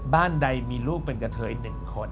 บ้านใดมีลูกเป็นกะเทยหนึ่งคน